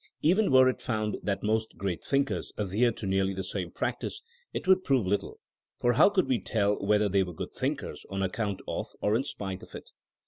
Even were it found that most great thinkers adhered to nearly the same practice, it would prove little ; for how could we tell whether they were good thinkers on account of, or in spite of it?